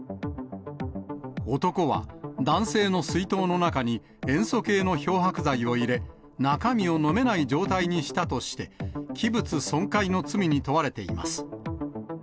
男は男性の水筒の中に塩素系の漂白剤を入れ、中身を飲めない状態にしたとして、器物損壊の罪に問われています。